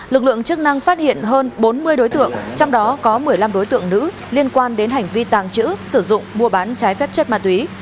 lực lượng chức năng phát hiện hơn bốn mươi đối tượng trong đó có một mươi năm đối tượng nữ liên quan đến hành vi tàng trữ sử dụng mua bán trái phép chất ma túy